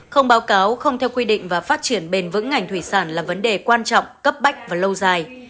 không báo cáo không theo quy định và phát triển bền vững ngành thủy sản là vấn đề quan trọng cấp bách và lâu dài